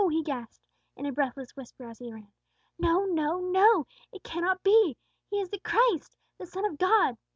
he gasped, in a breathless whisper, as he ran. "No, no, no! It cannot be! He is the Christ! The Son of God!